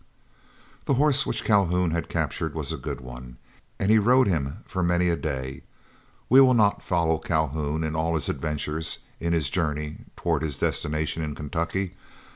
The horse which Calhoun had captured was a good one, and he rode him for many a day. We will not follow Calhoun in all his adventures in his journey toward his destination in Kentucky.